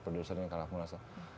producer yang kalau aku ngerasa